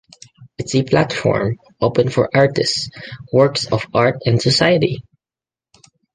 It’s a platform open for artists, works of art and society.